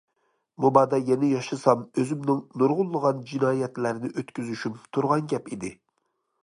مۇبادا يەنە ياشىسام ئۆزۈمنىڭ نۇرغۇنلىغان جىنايەتلەرنى ئۆتكۈزۈشۈم تۇرغان گەپ ئىدى.